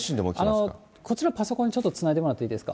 こちら、パソコンにちょっとつないでもらっていいですか。